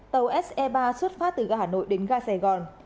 tàu se ba xuất phát từ ga hà nội đến ga sài gòn